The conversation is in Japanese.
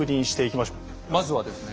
まずはですね